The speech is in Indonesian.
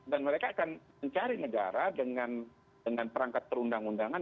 dan mereka akan mencari negara dengan perangkat perundang undangan